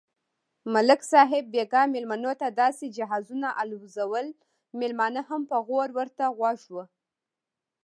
ملک صاحب بیگا مېلمنوته داسې جهازونه الوزول، مېلمانه هم په غور ورته غوږ و.